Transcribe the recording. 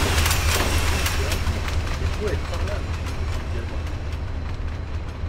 Tiens, tu as raison, il est poëte par l’âme, répondit Adam.